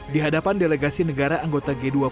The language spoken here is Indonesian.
dihadapan delegasi negara anggota g dua puluh